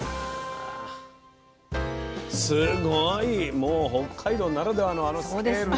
もう北海道ならではのあのスケールでね。